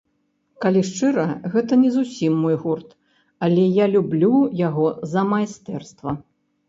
Калі шчыра, гэта не зусім мой гурт, але я люблю яго за майстэрства.